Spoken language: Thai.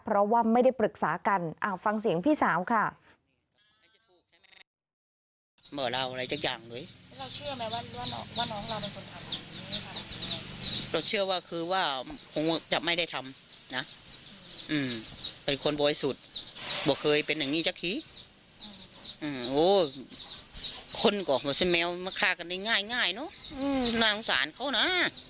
เพราะว่าไม่ได้ปรึกษากันฟังเสียงพี่สาวค่ะ